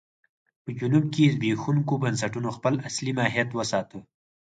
په جنوب کې زبېښونکو بنسټونو خپل اصلي ماهیت وساته.